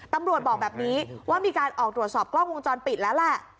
ตำรวจบอกแบบนี้ว่ามีการออกตรวจสอบกล้องวงจรปิดแล้วแหละ